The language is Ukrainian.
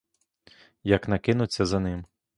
Як не кинуться за ним!